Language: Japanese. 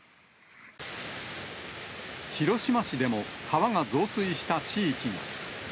広島市でも、川が増水した地域も。